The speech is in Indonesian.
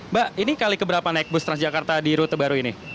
mbak ini kali keberapa naik bus transjakarta di rute baru ini